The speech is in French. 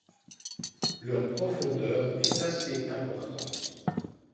Leur profondeur est assez importante.